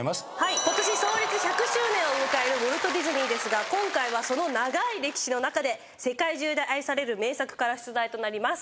ことし創立１００周年を迎えるウォルト・ディズニーですが今回はその長い歴史の中で世界中で愛される名作から出題となります。